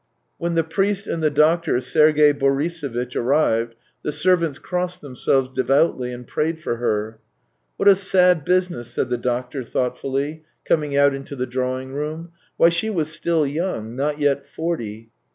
When the priest and the doctor, Sergey Boriso vitch, arrived, the servants crossed themselves devoutly and prayed for her. " What a sad business !" said the doctor thought fully, coming out into the drawing room. " Why, she was still young — not yet forty."